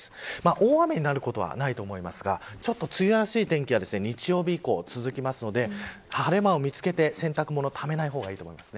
大雨になることはないと思いますが梅雨らしい天気が日曜日以降、続きますので晴れ間を見つけて洗濯物ためない方がいいと思います。